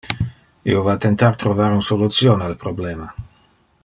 Io va tentar trovar un solution al problema.